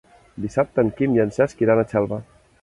Dissabte en Quim i en Cesc iran a Xelva.